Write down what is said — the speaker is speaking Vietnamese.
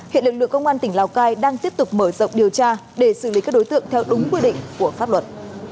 hiện lực lượng công an tỉnh lào cai đang tiếp tục mở rộng điều tra để xử lý các đối tượng theo đúng quy định của pháp luật